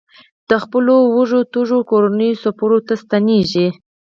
د خپلو وږو تږو کورنیو څپرو ته ستنېږي.